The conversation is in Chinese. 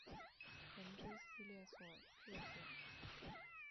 魂之系列所制作。